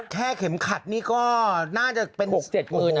เข็มขัดนี่ก็น่าจะเป็น๖๗หมื่นนะ